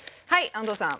安藤さん。